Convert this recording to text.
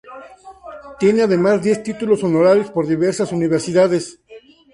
Tiene además diez títulos honorarios por diversas universidades.